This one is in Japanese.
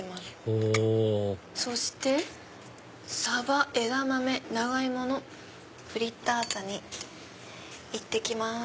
ほぉそしてサバ枝豆長芋のフリッタータにいってきます。